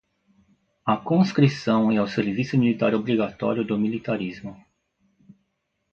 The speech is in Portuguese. A conscrição é o serviço militar obrigatório do militarismo